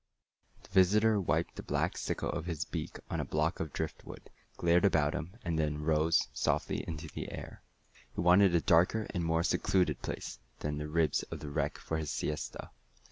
The Visitor wiped the black sickle of his beak on a block of driftwood, glared about him, and then rose softly into the air. He wanted a darker and more secluded place than the ribs of the wreck for his siesta.